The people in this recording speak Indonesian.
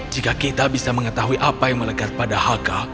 jika kita bisa mengetahui apa yang melekat pada haka